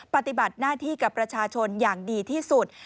ปฏิบัติหน้าที่กับประชาชนอย่างดีที่สุด